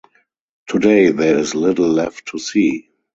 Today there is little left to see.